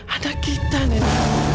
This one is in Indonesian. ada kita nena